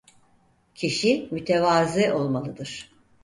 Kişi mütevazı olmalıdır.